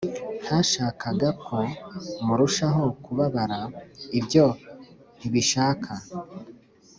Ntashakaga ko murushaho kubabara ibyo ntibishaka